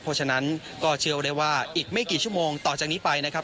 เพราะฉะนั้นก็เชื่อได้ว่าอีกไม่กี่ชั่วโมงต่อจากนี้ไปนะครับ